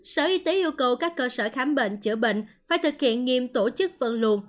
sở y tế yêu cầu các cơ sở khám bệnh chữa bệnh phải thực hiện nghiêm tổ chức phân luồn